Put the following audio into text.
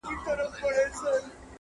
تر پاچا پوري عرض نه سو رسېدلای،